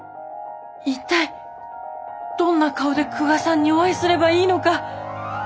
一体どんな顔で久我さんにお会いすればいいのか。